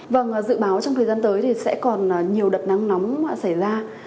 vâng dự báo trong thời gian tới thì sẽ còn nhiều đợt nắng nóng xảy ra